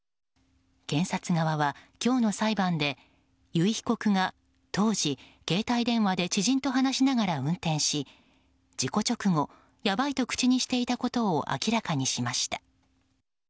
検察側は、今日の裁判で由井被告が当時、携帯電話で知人と話しながら運転し事故直後やばいと口にしていたことを明らかにしました。